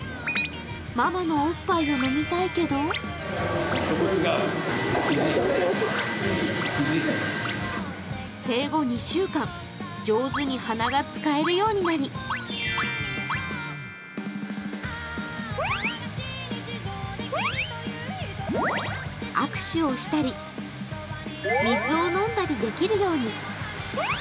ママのオッパイを飲みたいけど生後２週間、上手に鼻が使えるようになり握手をしたり、水を飲んだりできるように。